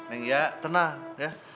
enggak tenang ya